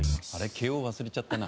慶應忘れちゃったな。